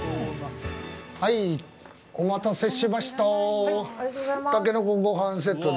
お待たせしました。